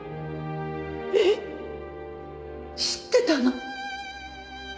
えっ知ってたの？